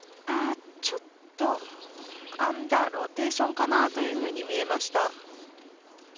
ちょっとアンダーローテーションかなというふうに見えました。